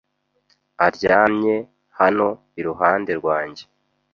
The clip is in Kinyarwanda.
Aryamye hano iruhande rwanjye.